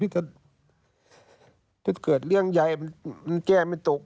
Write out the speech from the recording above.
ถ้าเกิดเรื่องใยมันแก้ไม่ตก